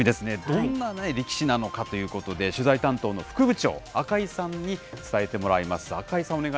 どんな力士なのかということで、取材担当の副部長、赤井さんに伝えてもらいます。